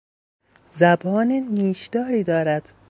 زبان نیشداری دارد.